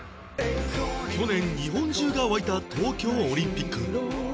去年日本中が沸いた東京オリンピック